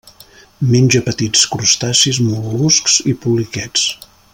Menja petits crustacis, mol·luscs i poliquets.